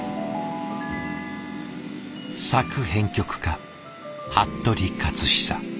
作編曲家服部克久。